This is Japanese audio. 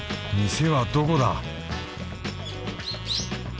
店はどこだ？